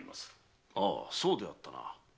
ああそうであったな。